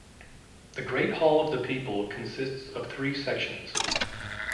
The Great Hall of the People consists of three sections.